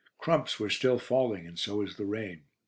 Crumps were still falling, and so was the rain.